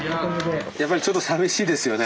やっぱりちょっとさみしいですよね？